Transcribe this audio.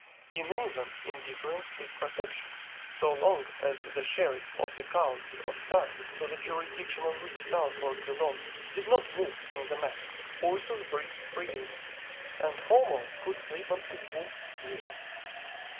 In England, indifference is protection. So long as the sheriff of the county of Surrey, to the jurisdiction of which Southwark belongs, did not move in the matter, Ursus breathed freely, and Homo could sleep on his wolf's ears.